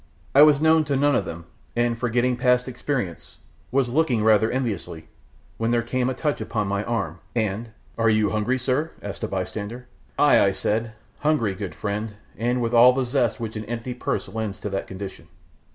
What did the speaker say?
I was known to none of them, and, forgetting past experience, was looking on rather enviously, when there came a touch upon my arm, and "Are you hungry, sir?" asked a bystander. "Ay," I said, "hungry, good friend, and with all the zest which an empty purse lends to that condition."